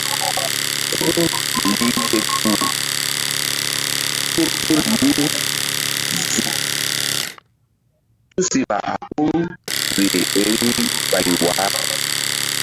Kuɗu lih ke kpuh ké tul ye zuk tusiɓa a ɓoruri vbi ɓay wah.